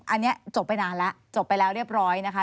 อันนี้จบไปนานแล้วจบไปแล้วเรียบร้อยนะคะ